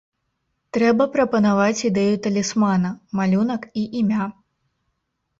Трэба прапанаваць ідэю талісмана, малюнак і імя.